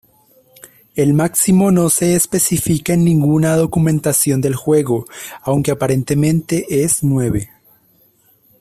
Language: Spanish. El máximo no se especifica en ninguna documentación del juego, aunque aparentemente es nueve.